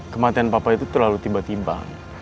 kematian papa itu terlalu tiba tiba